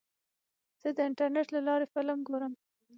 زه د انټرنیټ له لارې فلم ګورم.